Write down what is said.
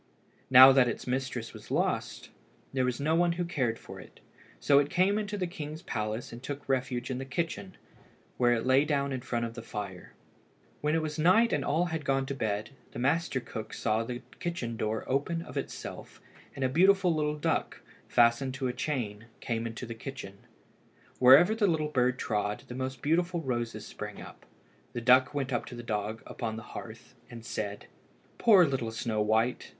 Now that its mistress was lost, there was no one who cared for it, so it came into the king's palace and took refuge in the kitchen, where it lay down in front of the fire. When it was night and all had gone to bed, the master cook saw the kitchen door open of itself and a beautiful little duck, fastened to a chain, came into the kitchen. Wherever the little bird trod the most beautiful roses sprang up. The duck went up to the dog upon the hearth, and said "Poor little Snow white!